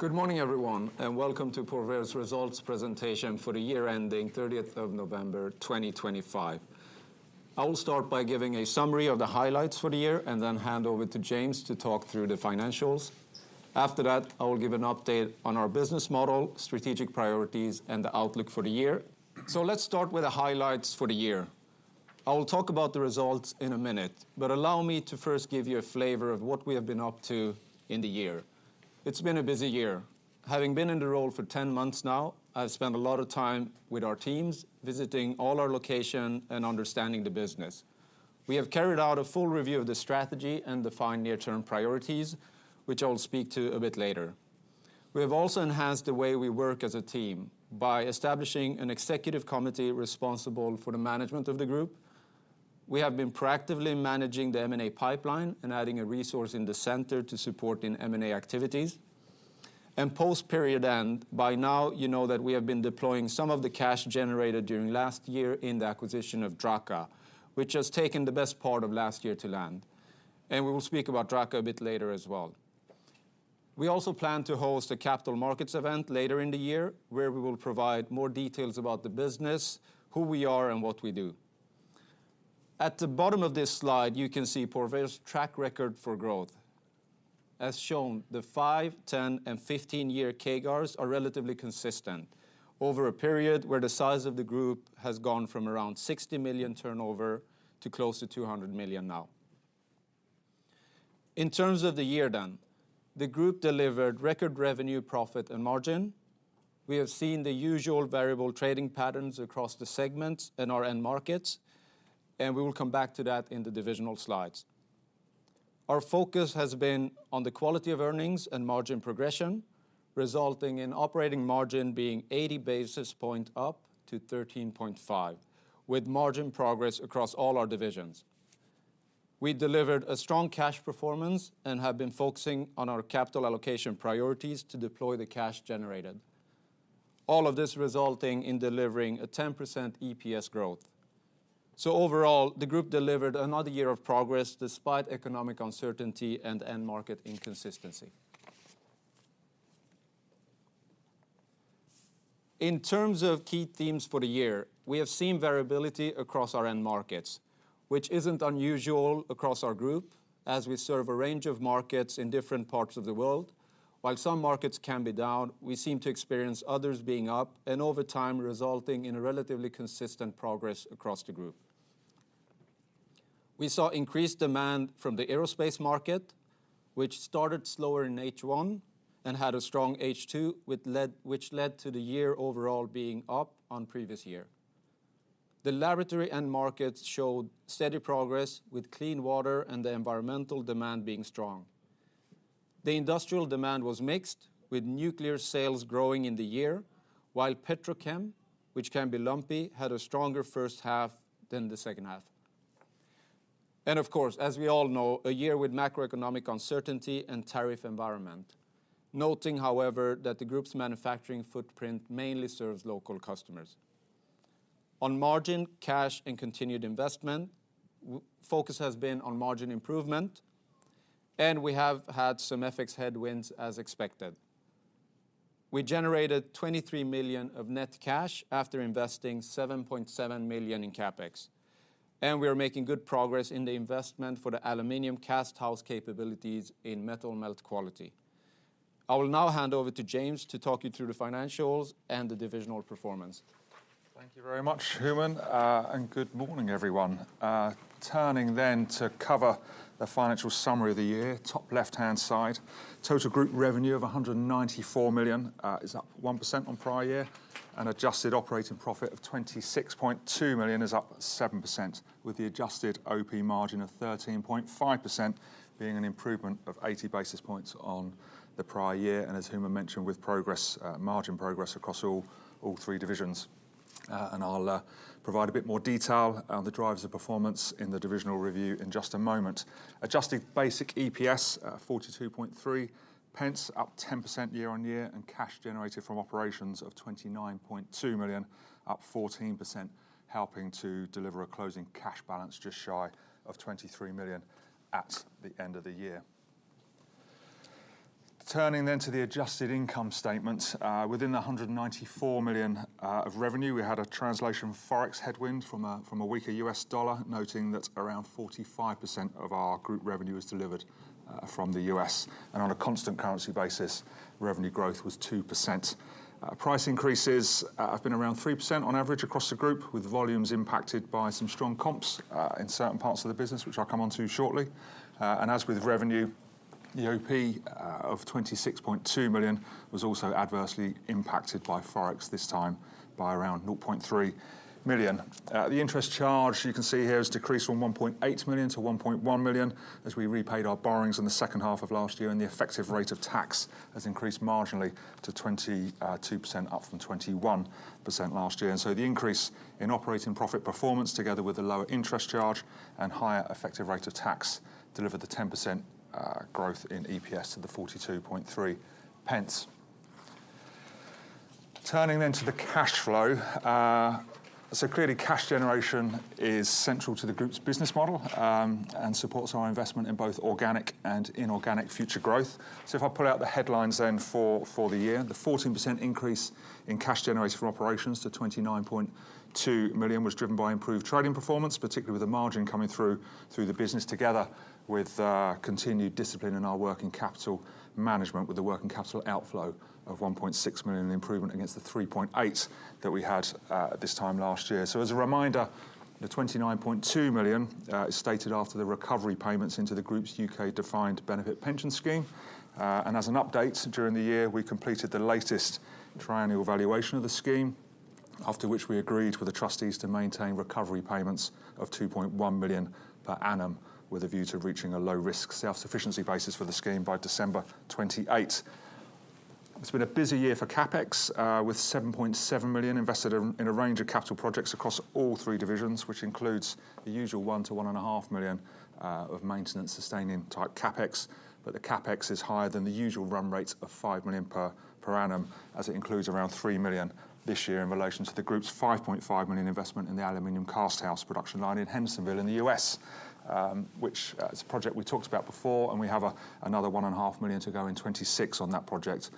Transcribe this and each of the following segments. Good morning, everyone, and welcome to Porvair's results presentation for the year ending 30th of November, 2025. I will start by giving a summary of the highlights for the year, and then hand over to James to talk through the financials. After that, I will give an update on our business model, strategic priorities, and the outlook for the year. So let's start with the highlights for the year. I will talk about the results in a minute, but allow me to first give you a flavor of what we have been up to in the year. It's been a busy year. Having been in the role for 10 months now, I've spent a lot of time with our teams, visiting all our locations and understanding the business. We have carried out a full review of the strategy and defined near-term priorities, which I'll speak to a bit later. We have also enhanced the way we work as a team by establishing an executive committee responsible for the management of the group. We have been proactively managing the M&A pipeline and adding a resource in the center to support in M&A activities. Post-period end, by now you know that we have been deploying some of the cash generated during last year in the acquisition of Drache, which has taken the best part of last year to land, and we will speak about Drache a bit later as well. We also plan to host a capital markets event later in the year, where we will provide more details about the business, who we are, and what we do. At the bottom of this slide, you can see Porvair's track record for growth. As shown, the 5-year, 10-year, and 15-year CAGRs are relatively consistent over a period where the size of the group has gone from around 60 million turnover to close to 200 million now. In terms of the year done, the group delivered record revenue, profit, and margin. We have seen the usual variable trading patterns across the segments in our end markets, and we will come back to that in the divisional slides. Our focus has been on the quality of earnings and margin progression, resulting in operating margin being 80 basis points up to 13.5, with margin progress across all our divisions. We delivered a strong cash performance and have been focusing on our capital allocation priorities to deploy the cash generated, all of this resulting in delivering a 10% EPS growth. So overall, the group delivered another year of progress despite economic uncertainty and end market inconsistency. In terms of key themes for the year, we have seen variability across our end markets, which isn't unusual across our group, as we serve a range of markets in different parts of the world. While some markets can be down, we seem to experience others being up, and over time, resulting in a relatively consistent progress across the group. We saw increased demand from the aerospace market, which started slower in H1 and had a strong H2, which led to the year overall being up on previous year. The laboratory end markets showed steady progress, with clean water and the environmental demand being strong. The industrial demand was mixed, with nuclear sales growing in the year, while Petrochem, which can be lumpy, had a stronger first half than the second half. Of course, as we all know, a year with macroeconomic uncertainty and tariff environment. Noting, however, that the group's manufacturing footprint mainly serves local customers. On margin, cash, and continued investment, we focus has been on margin improvement, and we have had some FX headwinds as expected. We generated 23 million of net cash after investing 7.7 million in CapEx, and we are making good progress in the investment for the Aluminum Cast House capabilities in Metal Melt Quality. I will now hand over to James to talk you through the financials and the divisional performance. Thank you very much, Hooman, and good morning, everyone. Turning then to cover the financial summary of the year, top left-hand side, total group revenue of 194 million is up 1% on prior year, and adjusted operating profit of 26.2 million is up 7%, with the adjusted OP margin of 13.5% being an improvement of 80 basis points on the prior year, and as Hooman mentioned, with progress, margin progress across all three divisions. And I'll provide a bit more detail on the drivers of performance in the divisional review in just a moment. Adjusted basic EPS, 42.3 pence, up 10% year-on-year, and cash generated from operations of 29.2 million, up 14%, helping to deliver a closing cash balance just shy of 23 million at the end of the year. Turning then to the adjusted income statement. Within the 194 million of revenue, we had a translation Forex headwind from a weaker U.S. dollar, noting that around 45% of our group revenue is delivered from the U.S. On a constant currency basis, revenue growth was 2%. Price increases have been around 3% on average across the group, with volumes impacted by some strong comps in certain parts of the business, which I'll come onto shortly. And as with revenue, EOP of 26.2 million was also adversely impacted by Forex, this time by around 0.3 million. The interest charge, you can see here, has decreased from 1.8 million to 1.1 million as we repaid our borrowings in the second half of last year, and the effective rate of tax has increased marginally to 22%, up from 21% last year. So the increase in operating profit performance, together with the lower interest charge and higher effective rate of tax, delivered the 10% growth in EPS to the 42.3p. Turning to the cash flow. So clearly, cash generation is central to the group's business model, and supports our investment in both organic and inorganic future growth. So if I pull out the headlines then for, for the year, the 14% increase in cash generated from operations to 29.2 million was driven by improved trading performance, particularly with the margin coming through, through the business, together with continued discipline in our working capital management, with the working capital outflow of 1.6 million, an improvement against the 3.8 million that we had at this time last year. So as a reminder, the 29.2 million is stated after the recovery payments into the group's U.K. defined benefit pension scheme. And as an update, during the year, we completed the latest triennial valuation of the scheme, after which we agreed with the trustees to maintain recovery payments of 2.1 million per annum, with a view to reaching a low-risk self-sufficiency basis for the scheme by December 2028. It's been a busy year for CapEx, with 7.7 million invested in a range of capital projects across all three divisions, which includes the usual 1 million- 1.5 million of maintenance-sustaining type CapEx. But the CapEx is higher than the usual run rate of 5 million per annum, as it includes around 3 million this year in relation to the group's 5.5 million investment in the aluminum casthouse production line in Hendersonville, in the U.S. which is a project we talked about before, and we have another 1.5 million to go in 2026 on that project,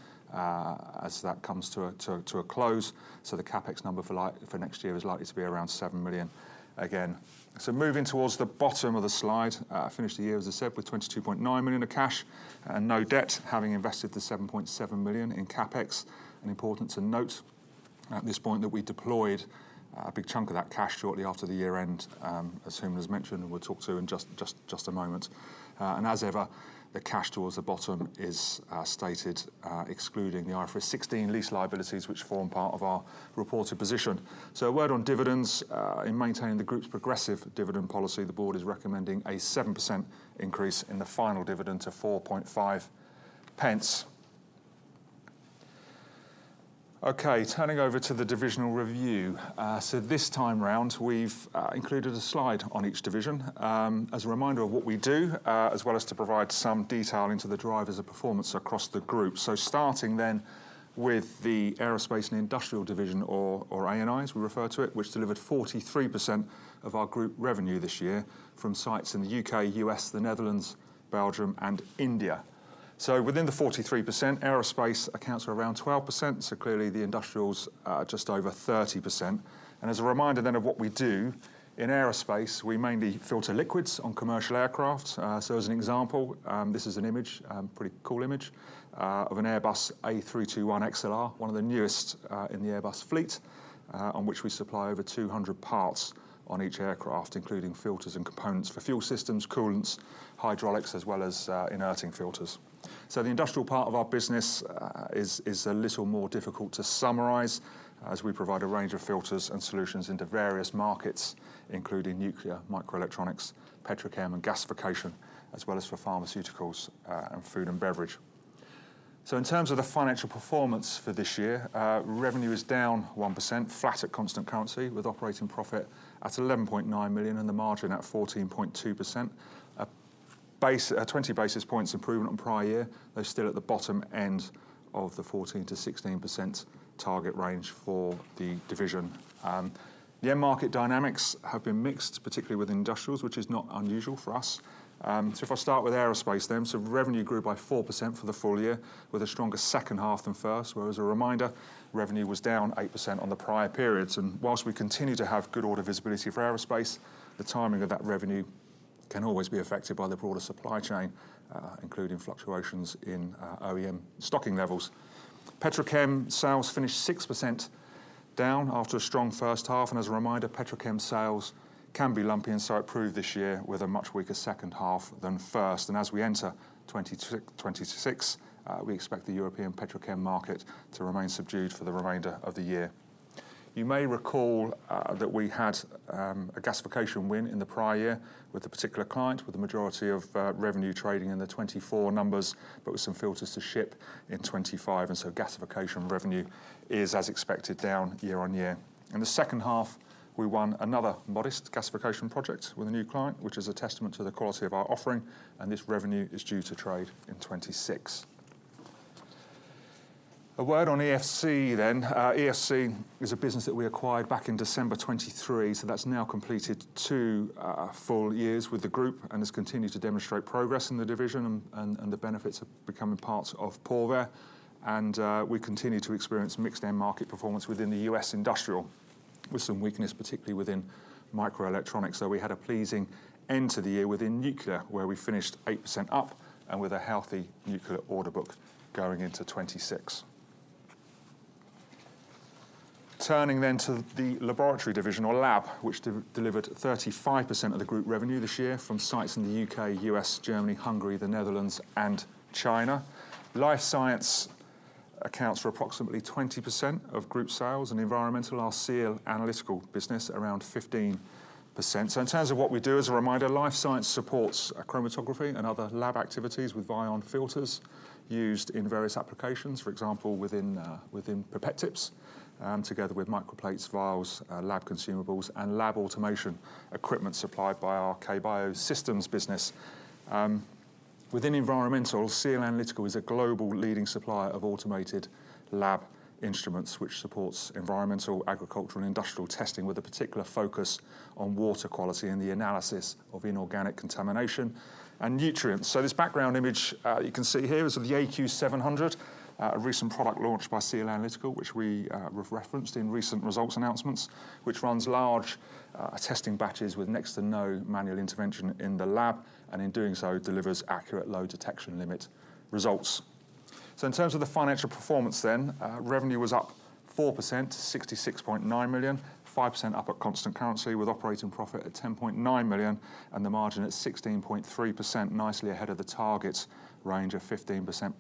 as that comes to a close. So the CapEx number for next year is likely to be around 7 million again. So moving towards the bottom of the slide, finished the year, as I said, with 22.9 million of cash and no debt, having invested the 7.7 million in CapEx. It's important to note at this point that we deployed a big chunk of that cash shortly after the year end, as mentioned, and we'll talk to it in just a moment. And as ever, the cash towards the bottom is stated excluding the IFRS 16 lease liabilities, which form part of our reported position. A word on dividends. In maintaining the group's progressive dividend policy, the board is recommending a 7% increase in the final dividend to 4.5p. Okay, turning over to the divisional review. This time round, we've included a slide on each division, as a reminder of what we do, as well as to provide some detailing to the drivers of performance across the group. Starting then with the Aerospace & Industrial division or A&I, as we refer to it, which delivered 43% of our group revenue this year from sites in the U.K., U.S., the Netherlands, Belgium, and India. Within the 43%, aerospace accounts for around 12%, so clearly the industrials are just over 30%. And as a reminder then of what we do, in aerospace, we mainly filter liquids on commercial aircraft. So as an example, this is an image, pretty cool image, of an Airbus A321XLR, one of the newest, in the Airbus fleet, on which we supply over 200 parts on each aircraft, including filters and components for fuel systems, coolants, hydraulics, as well as, inerting filters. So the industrial part of our business is a little more difficult to summarize, as we provide a range of filters and solutions into various markets, including nuclear, Microelectronics, Petrochem, and Gasification, as well as for pharmaceuticals, and food and beverage. So in terms of the financial performance for this year, revenue is down 1%, flat at constant currency, with operating profit at 11.9 million, and the margin at 14.2%. A 20 basis points improvement on prior year, though still at the bottom end of the 14%-16% target range for the division. The end market dynamics have been mixed, particularly with industrials, which is not unusual for us. So if I start with aerospace then, revenue grew by 4% for the full-year, with a stronger second half than first. Whereas a reminder, revenue was down 8% on the prior periods, and while we continue to have good order visibility for aerospace, the timing of that revenue can always be affected by the broader supply chain, including fluctuations in OEM stocking levels. Petrochem sales finished 6% down after a strong first half, and as a reminder, Petrochem sales can be lumpy and so it proved this year with a much weaker second half than first. As we enter 2026, we expect the European petrochem market to remain subdued for the remainder of the year. You may recall that we had a gasification win in the prior year with a particular client, with the majority of revenue trading in the 2024 numbers, but with some filters to ship in 2025, and so gasification revenue is, as expected, down year-on-year. In the second half, we won another modest gasification project with a new client, which is a testament to the quality of our offering, and this revenue is due to trade in 2026. A word on EFC then. EFC is a business that we acquired back in December 2023, so that's now completed two full years with the group and has continued to demonstrate progress in the division and the benefits of becoming parts of Porvair. We continue to experience mixed end market performance within the U.S. Industrial, with some weakness, particularly within microelectronics. We had a pleasing end to the year within nuclear, where we finished 8% up and with a healthy nuclear order book going into 2026. Turning to the laboratory division or lab, which delivered 35% of the group revenue this year from sites in the U.K., U.S., Germany, Hungary, the Netherlands, and China. Life science accounts for approximately 20% of group sales, and environmental, our SEAL Analytical business, around 15%. So in terms of what we do as a reminder, Life Sciences supports chromatography and other lab activities with Vyon filters used in various applications, for example, within pipette tips, together with microplates, vials, lab consumables, and lab automation equipment supplied by our Kbiosystems business. Within environmental, SEAL Analytical is a global leading supplier of automated lab instruments, which supports environmental, agricultural, and industrial testing, with a particular focus on water quality and the analysis of inorganic contamination and nutrients. So this background image you can see here is of the AQ700, a recent product launch by SEAL Analytical, which we've referenced in recent results announcements. Which runs large testing batches with next to no manual intervention in the lab, and in doing so, delivers accurate, low detection limit results. So in terms of the financial performance then, revenue was up 4% to 66.9 million, 5% up at constant currency, with operating profit at 10.9 million, and the margin at 16.3%, nicely ahead of the target range of 15%+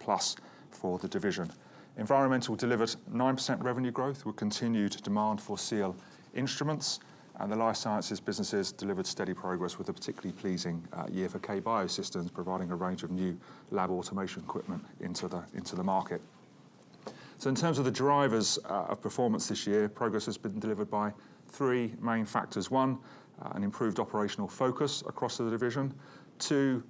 for the division. Environmental delivered 9% revenue growth, with continued demand for SEAL instruments, and the life sciences businesses delivered steady progress with a particularly pleasing year for Kbiosystems, providing a range of new lab automation equipment into the market. So in terms of the drivers of performance this year, progress has been delivered by three main factors. One, an improved operational focus across the division. Two,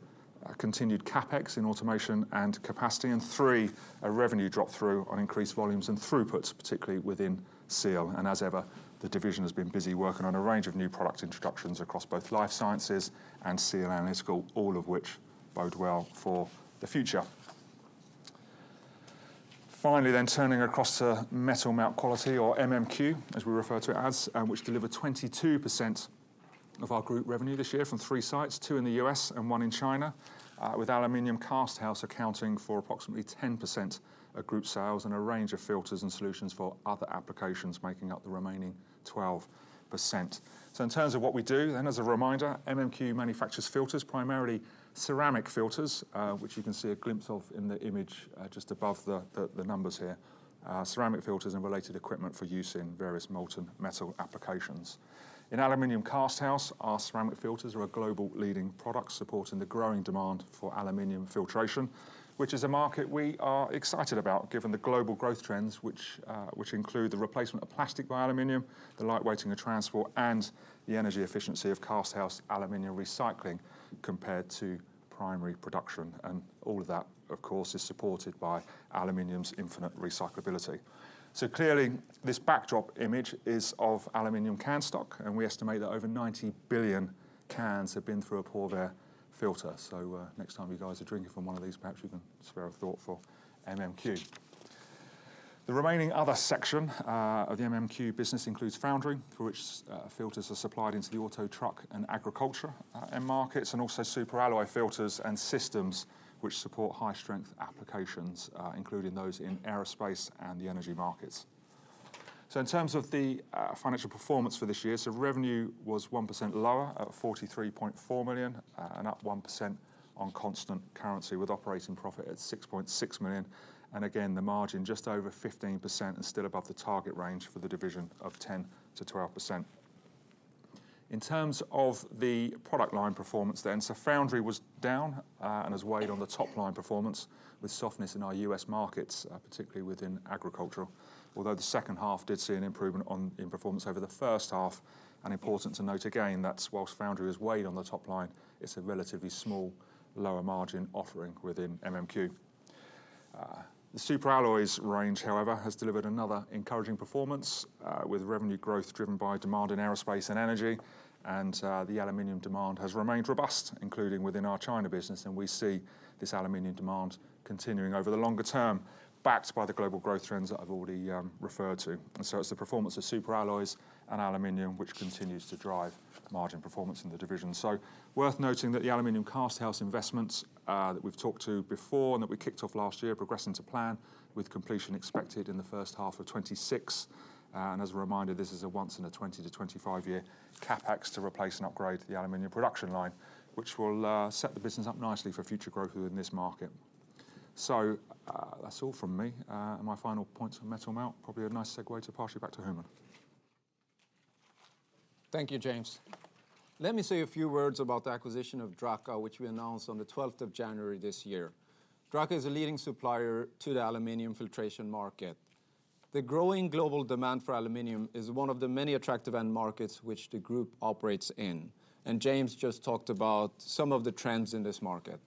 a continued CapEx in automation and capacity, and three, a revenue drop through on increased volumes and throughputs, particularly within SEAL. As ever, the division has been busy working on a range of new product introductions across both life sciences and SEAL Analytical, all of which bode well for the future. Finally, then turning across to Metal Melt Quality, or MMQ, as we refer to it as, which delivered 22% of our group revenue this year from 3 sites, 2 in the U.S. and 1 in China. With Aluminium Cast House accounting for approximately 10% of group sales and a range of filters and solutions for other applications, making up the remaining 12%. In terms of what we do, then as a reminder, MMQ manufactures filters, primarily ceramic filters, which you can see a glimpse of in the image, just above the numbers here. Ceramic filters and related equipment for use in various molten metal applications. In Aluminium Casthouse, our ceramic filters are a global leading product, supporting the growing demand for aluminium filtration. Which is a market we are excited about, given the global growth trends, which include the replacement of plastic by aluminium, the light weighting of transport, and the energy efficiency of cast house aluminium recycling, compared to primary production. And all of that, of course, is supported by aluminium's infinite recyclability. So clearly, this backdrop image is of aluminium can stock, and we estimate that over 90 billion cans have been through a Porvair filter. So, next time you guys are drinking from one of these, perhaps you can spare a thought for MMQ. The remaining other section of the MMQ business includes foundry, through which filters are supplied into the auto, truck, and agriculture end markets, and also Super Alloy filters and systems, which support high strength applications, including those in aerospace and the energy markets. So in terms of the financial performance for this year, so revenue was 1% lower at 43.4 million and up 1% on constant currency, with operating profit at 6.6 million. And again, the margin, just over 15% and still above the target range for the division of 10%-12%. In terms of the product line performance then, so foundry was down and has weighed on the top line performance with softness in our U.S. markets, particularly within agricultural. Although the second half did see an improvement in performance over the first half, and important to note again, that while foundry has weighed on the top line, it's a relatively small, lower margin offering within MMQ. The super alloys range, however, has delivered another encouraging performance, with revenue growth driven by demand in aerospace and energy, and, the aluminum demand has remained robust, including within our China business, and we see this aluminum demand continuing over the longer-term, backed by the global growth trends that I've already referred to. And so it's the performance of super alloys and aluminum, which continues to drive margin performance in the division. So worth noting that the aluminum cast house investments, that we've talked to before and that we kicked off last year, progressing to plan, with completion expected in the first half of 2026. As a reminder, this is a once in a 20 year-25 year CapEx to replace and upgrade the aluminum production line, which will set the business up nicely for future growth within this market. So, that's all from me. My final points for metal melt, probably a nice segue to pass you back to Hooman. Thank you, James. Let me say a few words about the acquisition of Drache, which we announced on the twelfth of January this year. Drache is a leading supplier to the aluminum filtration market. The growing global demand for aluminum is one of the many attractive end markets which the group operates in, and James just talked about some of the trends in this market.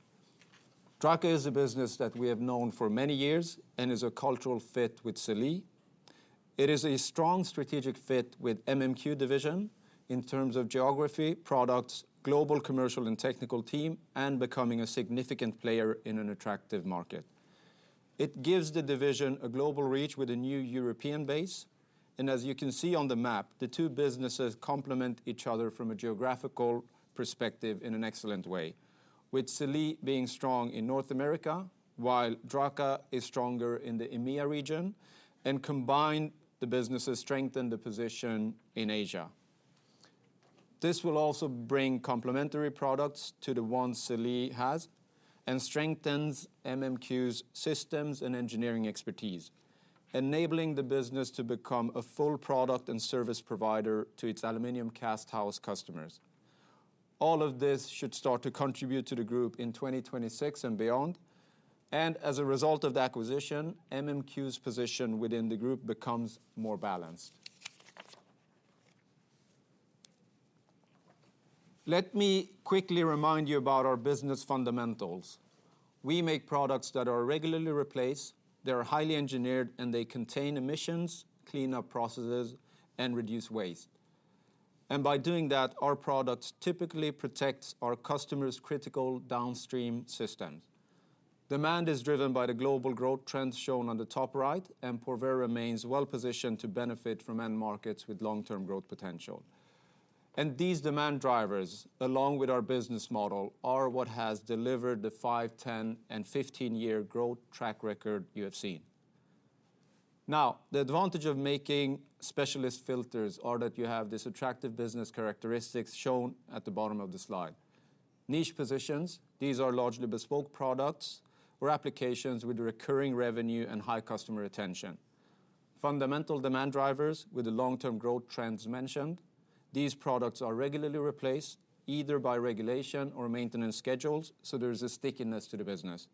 Drache is a business that we have known for many years and is a cultural fit with SELEE. It is a strong strategic fit with MMQ division in terms of geography, products, global commercial and technical team, and becoming a significant player in an attractive market. It gives the division a global reach with a new European base, and as you can see on the map, the two businesses complement each other from a geographical perspective in an excellent way. With SELEE being strong in North America, while Drache is stronger in the EMEA region, and combined, the businesses strengthen the position in Asia. This will also bring complementary products to the ones SELEE has and strengthens MMQ's systems and engineering expertise, enabling the business to become a full product and service provider to its aluminum cast house customers. All of this should start to contribute to the group in 2026 and beyond, and as a result of the acquisition, MMQ's position within the group becomes more balanced. Let me quickly remind you about our business fundamentals. We make products that are regularly replaced, they are highly engineered, and they contain emissions, clean up processes, and reduce waste. And by doing that, our products typically protect our customers' critical downstream systems. Demand is driven by the global growth trends shown on the top right, and Porvair remains well-positioned to benefit from end markets with long-term growth potential. These demand drivers, along with our business model, are what has delivered the 5-year, 10-year, and 15-year growth track record you have seen. Now, the advantage of making specialist filters are that you have this attractive business characteristics shown at the bottom of the slide. Niche positions, these are largely bespoke products or applications with recurring revenue and high customer retention. Fundamental demand drivers with the long-term growth trends mentioned, these products are regularly replaced, either by regulation or maintenance schedules, so there's a stickiness to the business.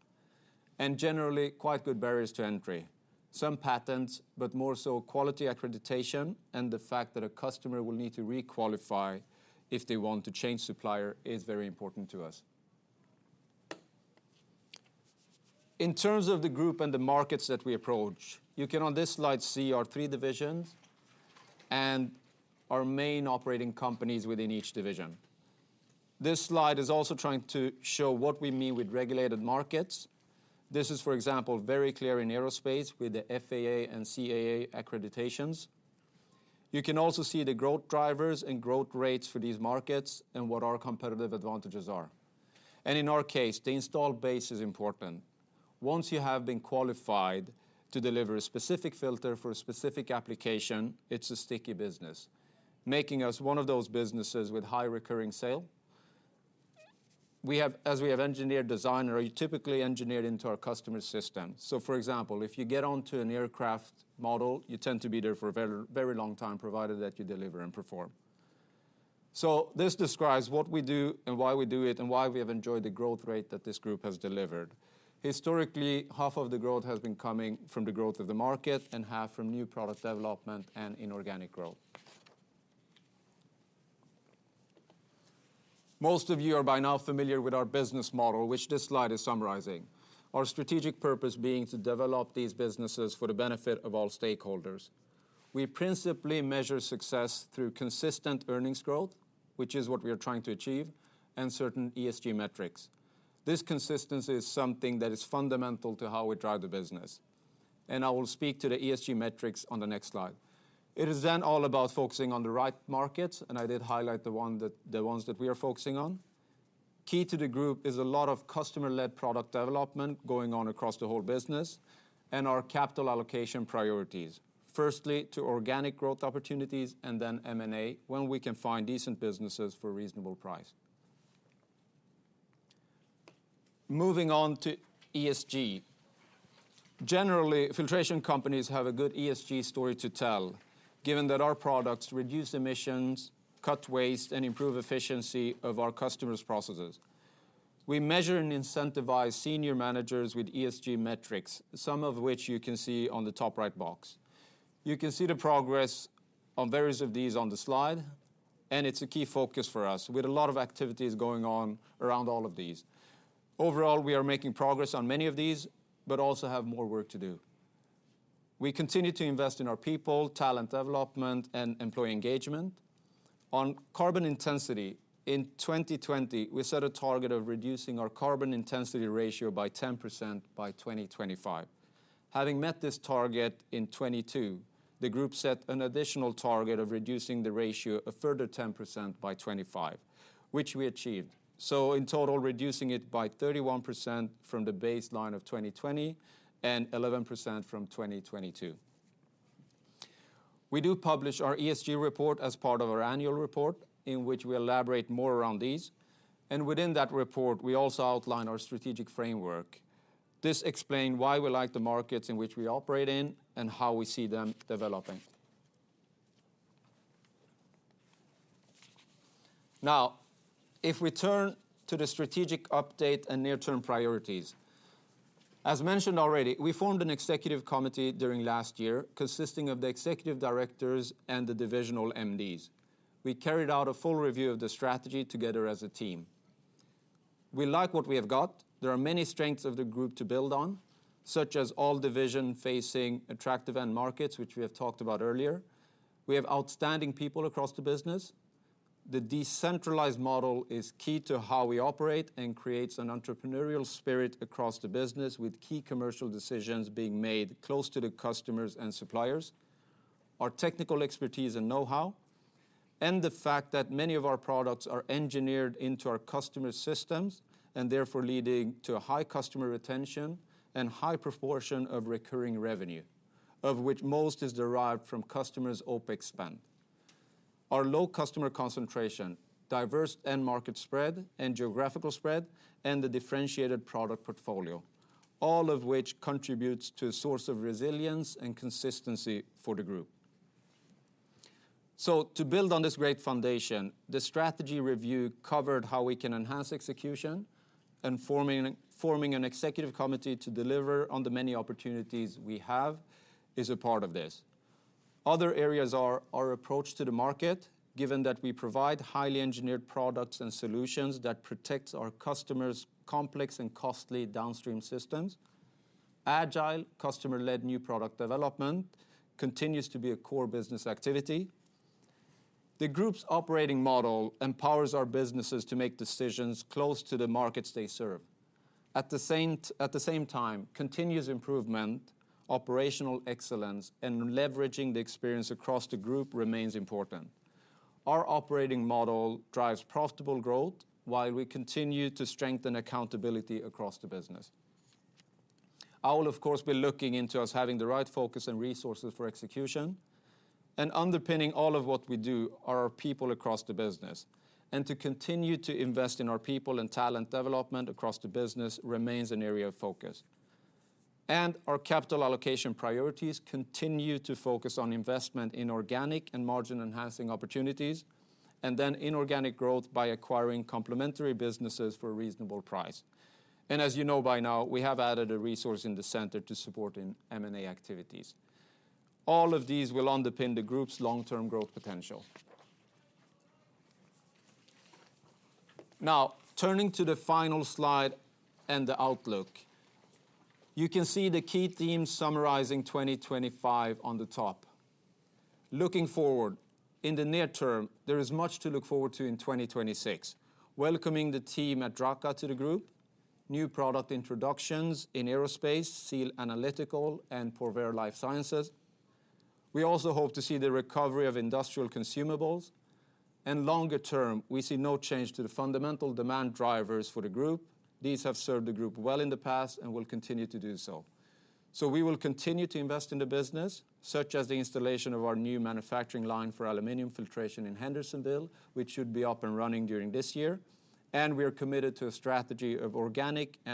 And generally, quite good barriers to entry. Some patents, but more so quality accreditation and the fact that a customer will need to requalify if they want to change supplier, is very important to us. In terms of the group and the markets that we approach, you can, on this slide, see our three divisions and our main operating companies within each division. This slide is also trying to show what we mean with regulated markets. This is, for example, very clear in aerospace with the FAA and CAA accreditations. You can also see the growth drivers and growth rates for these markets and what our competitive advantages are. In our case, the installed base is important. Once you have been qualified to deliver a specific filter for a specific application, it's a sticky business, making us one of those businesses with high recurring sales. As we have engineered designs are typically engineered into our customer systems. So, for example, if you get onto an aircraft model, you tend to be there for a very, very long time, provided that you deliver and perform. So this describes what we do and why we do it, and why we have enjoyed the growth rate that this group has delivered. Historically, half of the growth has been coming from the growth of the market, and half from new product development and inorganic growth. Most of you are by now familiar with our business model, which this slide is summarizing. Our strategic purpose being to develop these businesses for the benefit of all stakeholders. We principally measure success through consistent earnings growth, which is what we are trying to achieve, and certain ESG metrics. This consistency is something that is fundamental to how we drive the business, and I will speak to the ESG metrics on the next slide. It is then all about focusing on the right markets, and I did highlight the ones that we are focusing on. Key to the group is a lot of customer-led product development going on across the whole business, and our capital allocation priorities. Firstly, to organic growth opportunities and then M&A, when we can find decent businesses for a reasonable price. Moving on to ESG. Generally, filtration companies have a good ESG story to tell, given that our products reduce emissions, cut waste, and improve efficiency of our customers' processes. We measure and incentivize senior managers with ESG metrics, some of which you can see on the top right box. You can see the progress on various of these on the slide, and it's a key focus for us, with a lot of activities going on around all of these. Overall, we are making progress on many of these, but also have more work to do. We continue to invest in our people, talent development, and employee engagement. On carbon intensity, in 2020, we set a target of reducing our carbon intensity ratio by 10% by 2025. Having met this target in 2022, the group set an additional target of reducing the ratio a further 10% by 2025, which we achieved. So in total, reducing it by 31% from the baseline of 2020, and 11% from 2022. We do publish our ESG report as part of our annual report, in which we elaborate more around these, and within that report, we also outline our strategic framework. This explain why we like the markets in which we operate in, and how we see them developing. Now, if we turn to the strategic update and near-term priorities. As mentioned already, we formed an Executive Committee during last year, consisting of the Executive Directors and the divisional MDs. We carried out a full review of the strategy together as a team. We like what we have got. There are many strengths of the group to build on, such as all division facing attractive end markets, which we have talked about earlier. We have outstanding people across the business. The decentralized model is key to how we operate and creates an entrepreneurial spirit across the business, with key commercial decisions being made close to the customers and suppliers. Our technical expertise and know-how, and the fact that many of our products are engineered into our customer systems, and therefore leading to a high customer retention and high proportion of recurring revenue, of which most is derived from customers' OpEx spend. Our low customer concentration, diverse end market spread and geographical spread, and the differentiated product portfolio, all of which contributes to a source of resilience and consistency for the group. So to build on this great foundation, the strategy review covered how we can enhance execution, and forming an Executive Committee to deliver on the many opportunities we have is a part of this. Other areas are our approach to the market, given that we provide highly engineered products and solutions that protects our customers' complex and costly downstream systems. Agile, customer-led new product development continues to be a core business activity. The group's operating model empowers our businesses to make decisions close to the markets they serve. At the same time, continuous improvement, operational excellence, and leveraging the experience across the group remains important. Our operating model drives profitable growth, while we continue to strengthen accountability across the business. I will, of course, be looking into us having the right focus and resources for execution, and underpinning all of what we do are our people across the business. To continue to invest in our people and talent development across the business remains an area of focus. Our capital allocation priorities continue to focus on investment in organic and margin-enhancing opportunities, and then inorganic growth by acquiring complementary businesses for a reasonable price. As you know by now, we have added a resource in the center to support in M&A activities. All of these will underpin the group's long-term growth potential. Now, turning to the final slide and the outlook, you can see the key themes summarizing 2025 on the top. Looking forward, in the near-term, there is much to look forward to in 2026. Welcoming the team at Drache to the group, new product introductions in aerospace, SEAL Analytical, and Porvair Life Sciences. We also hope to see the recovery of industrial consumables, and longer-term, we see no change to the fundamental demand drivers for the group. These have served the group well in the past and will continue to do so. So we will continue to invest in the business, such as the installation of our new manufacturing line for aluminum filtration in Hendersonville, which should be up and running during this year, and we are committed to a strategy of organic and-